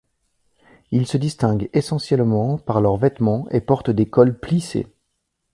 Ils se distinguent essentiellement par leur vêtements et portent des cols plissés.